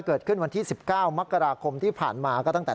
เกิดขึ้นวันที่๑๙มกราคมที่ผ่านมาก็ตั้งแต่